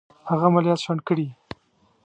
هغه عملیات شنډ کړي.